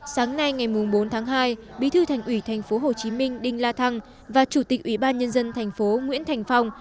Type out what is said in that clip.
sáng nay ngày bốn tháng hai bí thư thành ủy tp hcm đinh la thăng và chủ tịch ủy ban nhân dân thành phố nguyễn thành phong